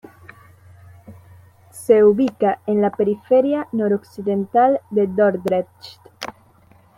Se ubica en la periferia noroccidental de Dordrecht.